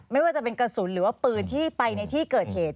ไม่ว่าจะเป็นกระสุนหรือว่าปืนที่ไปในที่เกิดเหตุ